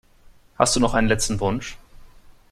Hast du noch einen letzten Wunsch?